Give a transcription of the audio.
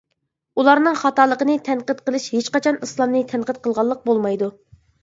ئۇلارنىڭ خاتالىقىنى تەنقىد قىلىش ھېچقاچان ئىسلامنى تەنقىد قىلغانلىق بولمايدۇ.